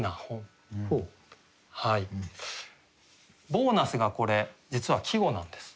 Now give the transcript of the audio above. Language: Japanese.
「ボーナス」がこれ実は季語なんです。